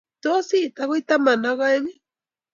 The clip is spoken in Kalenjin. tos it agoi taman oi aeng